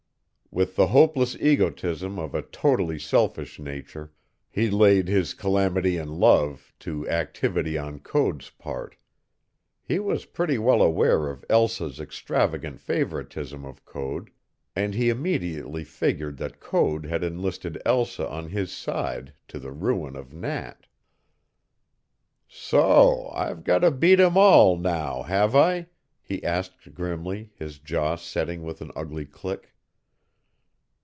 With the hopeless egotism of a totally selfish nature, he laid his calamity in love to activity on Code's part. He was pretty well aware of Elsa's extravagant favoritism of Code, and he immediately figured that Code had enlisted Elsa on his side to the ruin of Nat. "So I've got to beat 'em all now, have I?" he asked grimly, his jaw setting with an ugly click.